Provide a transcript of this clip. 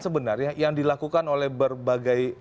sebenarnya yang dilakukan oleh berbagai